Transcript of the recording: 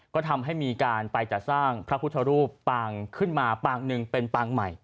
ก็ทำให้มีการไปจัดสร้างพระพุทธรูปปางขึ้นมาปางหนึ่งเป็นปางใหม่